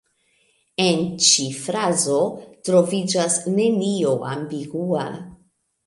En ĉi frazo troviĝas nenio ambigua.